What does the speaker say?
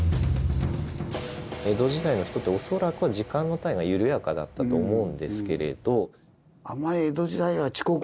江戸時代の人って恐らくは時間の単位が緩やかだったと思うんですけれど。